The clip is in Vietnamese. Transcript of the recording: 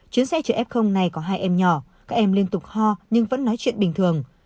chuyến xe chở f này có hai em nhỏ các em liên tục ho nhưng vẫn nói chuyện bình thường